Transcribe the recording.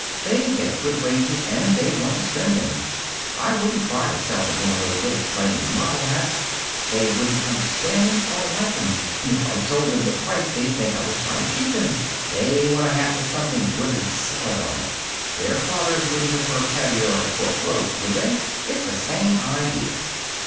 They get good wages and they want to spend them. I wouldn't try to sell them one of those little plain model hats. They wouldn't understand 'em or like them. And if I told them the price they'd think I was trying to cheat them. They want a hat with something good and solid on it. Their fathers wouldn't prefer caviar to pork roast, would they? It's the same idea."